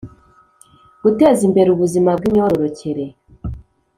guteza imbere ubuzima bwimyororokere